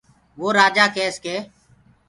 وو رآجآ ڪيس ڪي